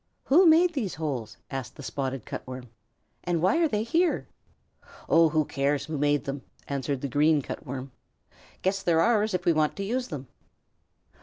"Who made those holes?" asked the Spotted Cut Worm; "and why are they here?" "Oh, who cares who made them?" answered the Green Cut Worm. "Guess they're ours if we want to use them."